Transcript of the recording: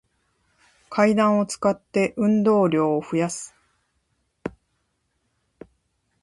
階段を使って、運動量を増やす